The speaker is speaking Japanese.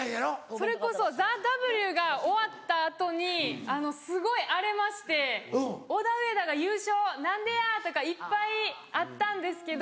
それこそ『ＴＨＥＷ』が終わった後にすごい荒れまして「オダウエダが優勝何でや」とかいっぱいあったんですけど